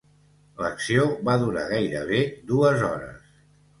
L'acció va durar gairebé dues hores.